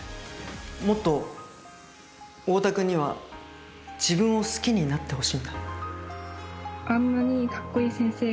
もっとオオタ君には自分を好きになってほしいんだ。